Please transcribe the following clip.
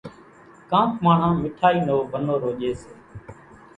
ڪانڪ ماڻۿان مِٺائِي نو ونورو ڄيَ سي۔